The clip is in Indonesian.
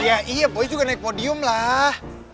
iya iya boy juga naik podium lah